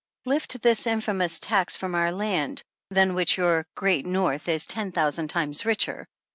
Lift this infamous tax from our land, than which your great North is ten thousand times richer.